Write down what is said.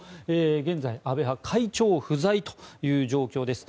現在、安倍派は会長不在という状況です。